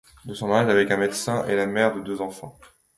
De son mariage avec un médecin, est la mère de deux enfants.